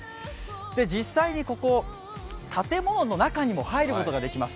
実際にここ、建物の中にも入ることができます。